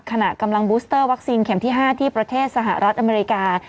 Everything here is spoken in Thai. ขณะกำลังบูสเตอร์วัคซีนเข็มที่๕ที่ประเทศสหรัฐอเมริกา